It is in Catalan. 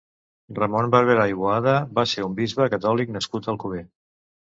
Ramon Barberà i Boada va ser un bisbe catòlic nascut a Alcover.